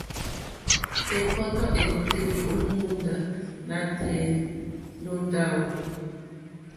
Ɛ̀kɔ́tɔ́ èwòtélì ó mòóndá nǎtɛ̀ɛ̀ nǒ ndáwù.